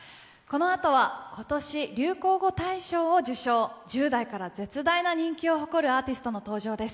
このあとは今年流行語大賞を受賞、１０代から絶大な人気を誇るアーティストが登場です。